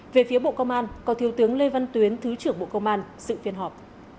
về phía bộ công an có thiếu tướng lê văn tuyến thứ trưởng bộ công an sự phiên họp